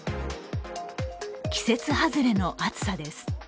季節外れの暑さです。